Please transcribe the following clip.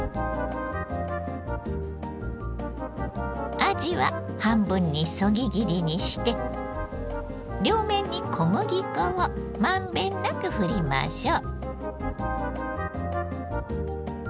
あじは半分にそぎ切りにして両面に小麦粉を満遍なくふりましょう。